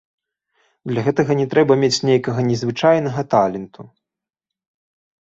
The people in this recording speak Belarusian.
Для гэтага не трэба мець нейкага незвычайнага таленту.